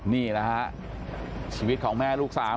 นี่แหละฮะชีวิตของแม่ลูกสาม